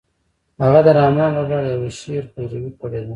هغه د رحمن بابا د يوه شعر پيروي کړې ده.